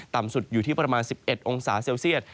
ต่ำสุดอยู่ที่ประมาณ๑๑องศาเซลเซียต